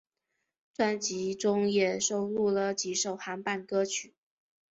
专辑中也收录了几首韩版歌曲。